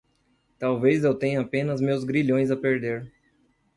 Talvez eu tenha apenas meus grilhões a perder